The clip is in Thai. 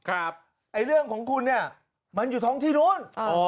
ไอ้เรื่องของคุณเนี่ยมันอยู่ท้องที่นู้น